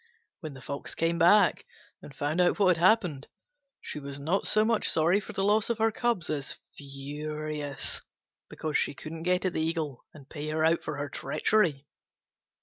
When the Fox came back, and found out what had happened, she was not so much sorry for the loss of her cubs as furious because she couldn't get at the Eagle and pay her out for her treachery.